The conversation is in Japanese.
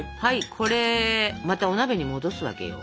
これまたお鍋に戻すわけよ。